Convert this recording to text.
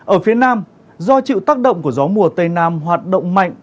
ở phía nam do chịu tác động của gió mùa tây nam hoạt động mạnh